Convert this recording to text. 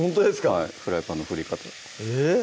はいフライパンの振り方えっ？